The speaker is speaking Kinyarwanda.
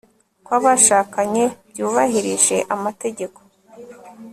kw'abashakanye byubahirije amategeko